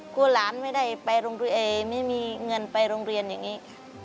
หลานไม่ได้ไปโรงเรียนไม่มีเงินไปโรงเรียนอย่างนี้ค่ะ